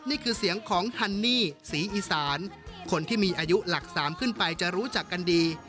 นี่คือเสียงของฮันนี่ศรีอีสานคนที่มีอายุหลักสามขึ้นไปจะรู้จักกันดี